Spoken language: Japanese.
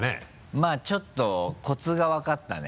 まぁちょっとコツが分かったね。